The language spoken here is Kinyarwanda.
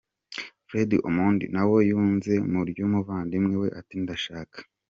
Fred Omondi nawe yunze mu ryumuvandimwe we ati Ndashaka.